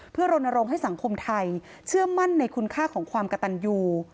เพื่อรณรงค์ให้สังคมไทยเชื่อมั่นในคุณค่าของความกระตันยู